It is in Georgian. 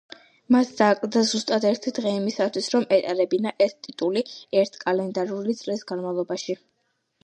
მას დააკლდა ზუსტად ერთი დღე იმისათვის, რომ ეტარებინა ეს ტიტული ერთი კალენდარული წლის განმავლობაში.